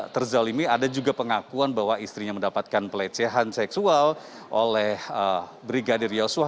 terzalimi ada juga pengakuan bahwa istrinya mendapatkan pelecehan seksual oleh brigadir yosua